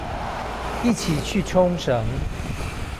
一起去沖繩